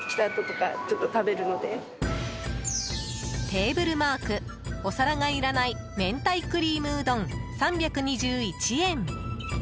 テーブルマークお皿がいらない明太クリームうどん、３２１円。